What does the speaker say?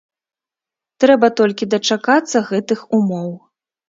Трэба толькі дачакацца гэтых умоў.